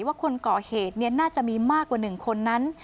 ว่าคนก่อเหตุน่าจะมีมากกว่า๑คนนั้น